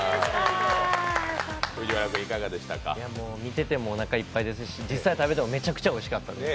見ててもうおなかいっぱいですし実際食べてもめちゃくちゃおいしかったです。